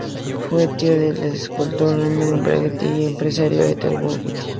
Fue tío del escultor Rembrandt Bugatti y del empresario Ettore Bugatti.